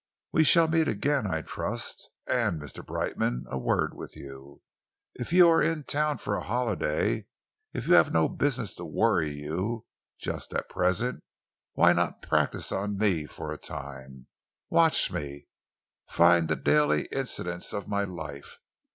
We shall meet again, I trust. And, Mr. Brightman, a word with you. If you are in town for a holiday, if you have no business to worry you just at present, why not practise on me for a time? Watch me. Find out the daily incidents of my life.